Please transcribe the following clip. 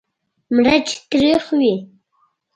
مرچ تریخ وي.